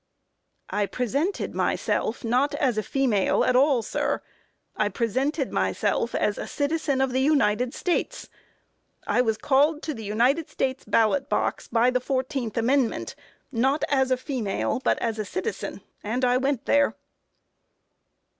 A. I presented myself not as a female at all, sir; I presented myself as a citizen of the United States. I was called to the United States ballot box by the 14th amendment, not as a female, but as a citizen, and I went there.